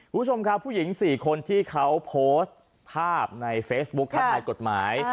ผู้ชมค่ะผู้หญิงสี่คนที่เขาโพสต์ภาพในเฟซบุ๊กถ้าถ่ายกฎหมาย